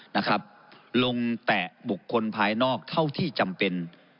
นะครับลงแตะบุคคลภายนอกเท่าที่จำเป็น